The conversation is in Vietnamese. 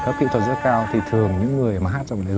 là xanh phở nghiêng